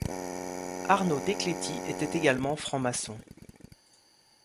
Arnaud Decléty était également franc-maçon.